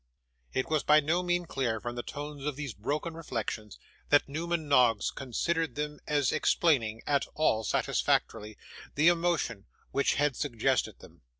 It was by no means clear, from the tone of these broken reflections, that Newman Noggs considered them as explaining, at all satisfactorily, the emotion which had suggested them.